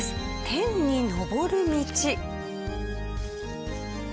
天に昇る道。